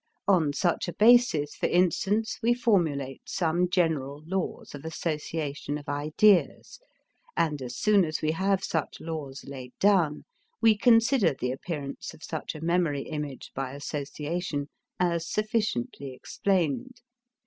On such a basis, for instance, we formulate some general laws of association of ideas, and as soon as we have such laws laid down, we consider the appearance of such a memory image by association as sufficiently explained.